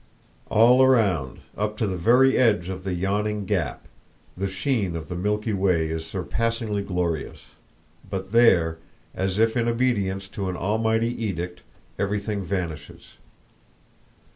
All around, up to the very edge of the yawning gap, the sheen of the Milky Way is surpassingly glorious; but there, as if in obedience to an almighty edict, everything vanishes.